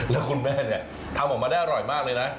แล้วคุณแม่เนี่ยทำออกมาได้อร่อยมากเลยนะ